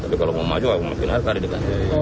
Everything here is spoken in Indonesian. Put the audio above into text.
tapi kalau mau maju mungkin rk di dki